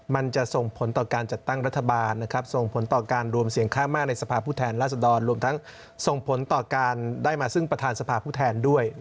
มันจะส่งผลต่อการจัดตั้งรัฐบาลส่งผลต่อการรวมเสียงข้างมากในสภาพผู้แทนราชดรรวมทั้งส่งผลต่อการได้มาซึ่งประธานสภาผู้แทนด้วย